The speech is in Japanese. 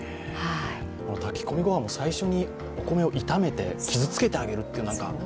炊き込みご飯も最初に炒めて傷つけてあげるって。